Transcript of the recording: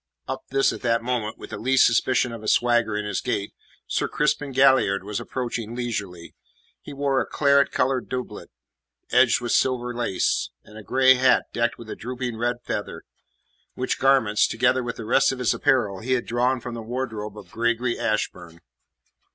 Up this at that moment, with the least suspicion of a swagger in his gait, Sir Crispin Galliard was approaching leisurely; he wore a claret coloured doublet edged with silver lace, and a grey hat decked with a drooping red feather which garments, together with the rest of his apparel, he had drawn from the wardrobe of Gregory Ashburn.